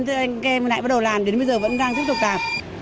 chị em lại bắt đầu làm đến bây giờ vẫn đang tiếp tục làm